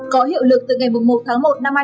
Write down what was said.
có hiệu lực từ ngày một một một hai nghìn hai mươi hai